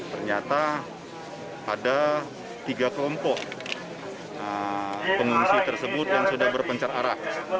ternyata ada tiga kelompok pengungsi tersebut yang sudah berpencar arah